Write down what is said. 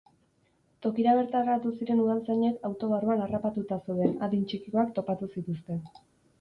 Tokira bertaratu ziren udaltzainek auto barruan harrapatuta zeuden adin txikikoak topatu zituzten.